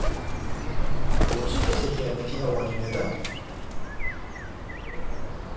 بۆچی کەسێک یارمەتیی ئەوانی نەدا؟